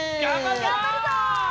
がんばるぞ！